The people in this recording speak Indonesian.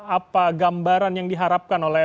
apa gambaran yang diharapkan oleh